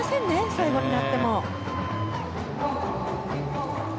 最後になっても。